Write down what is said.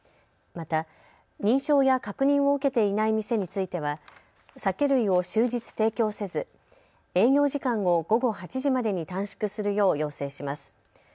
また、認証や確認を受けていない店については酒類を終日提供せず営業時間を午後８時までに短縮するよう要請します。